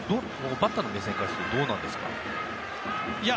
バッターの目線からするとどうなんですか？